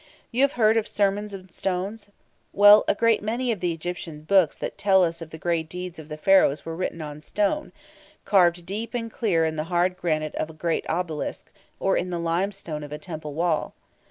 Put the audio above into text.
You have heard of "sermons in stones"? Well, a great many of the Egyptian books that tell us of the great deeds of the Pharaohs were written on stone, carved deep and clear in the hard granite of a great obelisk, or in the limestone of a temple wall.